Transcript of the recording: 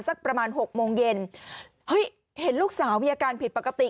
สักประมาณหกโมงเย็นเฮ้ยเห็นลูกสาวมีอาการผิดปกติ